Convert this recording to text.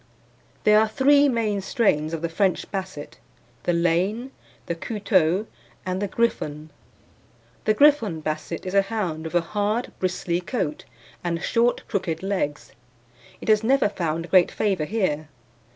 There are three main strains of the French Basset the Lane, the Couteulx, and the Griffon. The Griffon Basset is a hound with a hard bristly coat, and short, crooked legs. It has never found great favour here.